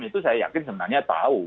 itu saya yakin sebenarnya tahu